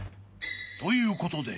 ［ということで］